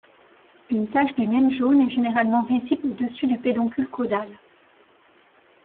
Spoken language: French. Une tache du même jaune est généralement visible au dessus du pédoncule caudal.